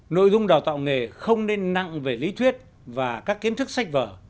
nội dung đào tạo nghề không nên nặng về lý thuyết và các kiến thức sách vở